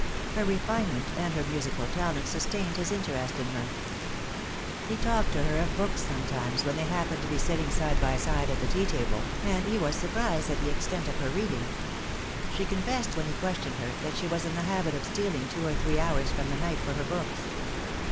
Her refinement and her musical talent sustained his interest in her. He talked to her of books sometimes when they happened to be sitting side by side at the tea table, and he was surprised at the extent of her reading. She confessed when he questioned her that she was in the habit of stealing two or three hours from the night for her books.